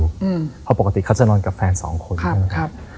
อืมเพราะปกติเขาจะนอนกับแฟนสองคนครับครับ